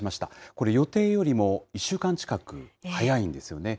これ、予定よりも１週間近く早いんですよね。